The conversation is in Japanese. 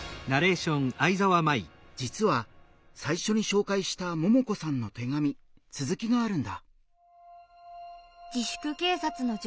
じつは最初に紹介したももこさんの手紙続きがあるんだ。